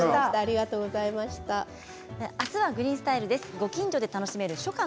あすは「グリーンスタイル」です。